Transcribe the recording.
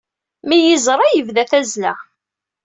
Mi iyi-yeẓra, yebda tazzla.